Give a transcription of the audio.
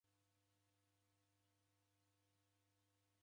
Ini kwadaniduka sa iembe